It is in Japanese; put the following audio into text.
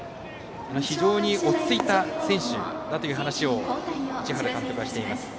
非常に落ちついた選手だという話を市原監督はしています。